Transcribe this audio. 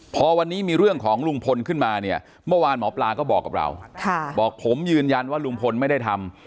พอวันนี้มีเรื่องของลุงพลขึ้นมาเนี่ยเมื่อวานหมอปลาก็บอกกับเราบอกผมยืนยันว่าลุงพลไม่ได้ทำ